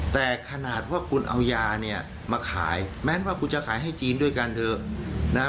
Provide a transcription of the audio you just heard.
แต่ขนาดว่าคุณเอายาเนี่ยมาขายแม้ว่าคุณจะขายให้จีนด้วยกันเถอะนะ